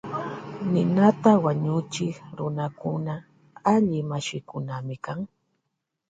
Ninata wañuchik runakuna alli mashikunami kan.